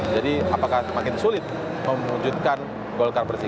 jadi apakah makin sulit memwujudkan golkar bersih